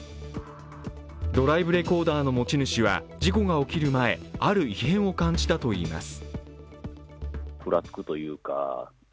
ドライブレコーダーの持ち主は事故が起きる前ある異変を感じたといいます。